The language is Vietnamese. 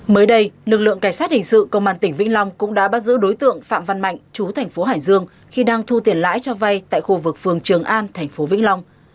mới đây lực lượng cảnh sát hình sự công an tỉnh vĩnh long cũng đã bắt giữ đối tượng phạm văn mạnh chú thành phố hải dương khi đang thu tiền lãi cho vay tại khu vực phường trường an thành phố vĩnh long